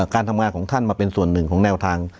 การทำงานของท่านมาเป็นส่วนหนึ่งของแนวทาง